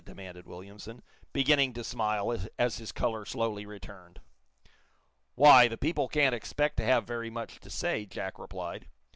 demanded Williamson, beginning to smile as his color slowly returned. "Why, the people can't expect to have very much to say," Jack replied.